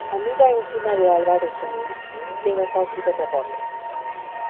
Amiga íntima de Alba desde niña, llega casi de rebote.